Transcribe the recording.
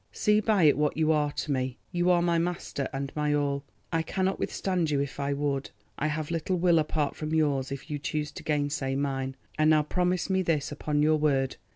See by it what you are to me. You are my master and my all. I cannot withstand you if I would. I have little will apart from yours if you choose to gainsay mine. And now promise me this upon your word.